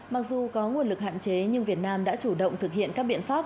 mặc dù có nguồn lực hạn chế nhưng việt nam đã chủ động thực hiện các biện pháp